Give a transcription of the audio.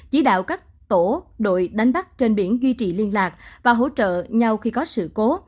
chỉ đạo các tổ đội đánh bắt trên biển duy trì liên lạc và hỗ trợ nhau khi có sự cố